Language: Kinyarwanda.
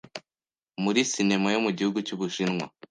muri sinema yo mugihugu cyubushinwa